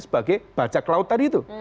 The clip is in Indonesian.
sebagai bajak laut tadi itu